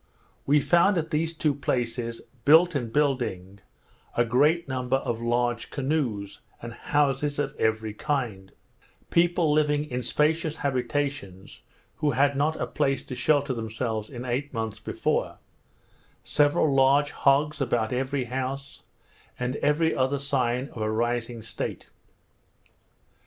We found at these two places, built and building, a great number of large canoes, and houses of every kind; people living in spacious habitations who had not a place to shelter themselves in eight months before; several large hogs about every house; and every other sign of a rising state.